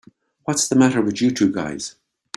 What's the matter with you two guys?